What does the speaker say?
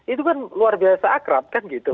itu kan luar biasa akrab kan gitu